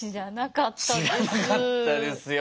知らなかったですよ